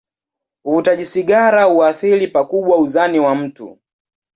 Uvutaji sigara huathiri pakubwa uzani wa mtu.